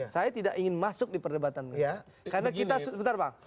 saya tidak ingin masuk di perdebatan kencang